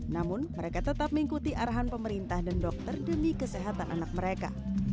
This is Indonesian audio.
namun mereka tetap mengikuti arahan pemerintah dan dokter demi kesehatan anak mereka